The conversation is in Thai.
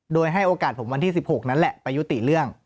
โดยให้โอกาสผมวันที่๑๖นั้นแหละไปยุติเรื่อง